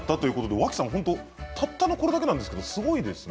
脇さん、たったこれだけなんですけどすごいですね。